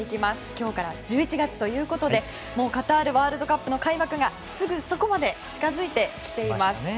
今日から１１月ということでもうカタールワールドカップの開幕がすぐそこまで近づいてきています。